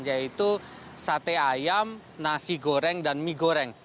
yaitu sate ayam nasi goreng dan mie goreng